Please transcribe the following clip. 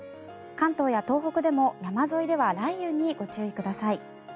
関東や東北でも山沿いでは雷雨にご注意ください。